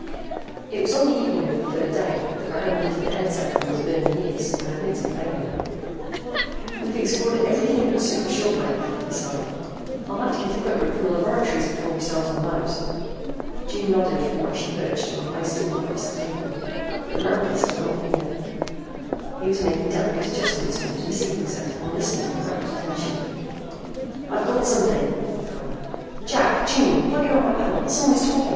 It was on the evening of the third day that Baron lifted the headset from his burning ears and admitted failure. "We've explored everything but the super short waves," he sighed. "I'll have to get equipment from the laboratories before we start on those." June nodded from where she perched on a high stool across the table. But Manthis did not hear. He was making delicate adjustments on his receiving set and listening with rapt attention. "I've got something," he cried. "Jack. June. Plug in on my panel. Someone is talking.